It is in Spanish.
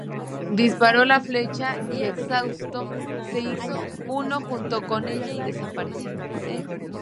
Disparó la flecha y, exhausto, se hizo uno junto con ella y desapareció.